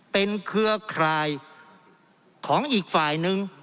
เป็นเครือข่ายของอีกฝ่ายนึง